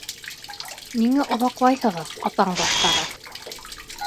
Ниңә оҙаҡлайһығыҙ, атаң баштары!